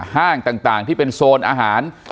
ห้างต่างที่เป็นโซนอาหาร